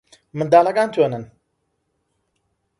منداڵەکان چۆنن؟